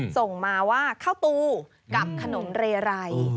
ส่งมาว่าข้าวตูกับขนมเรไร